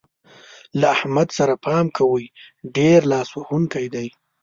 له احمد سره پام کوئ؛ ډېر لاس وهونکی دی.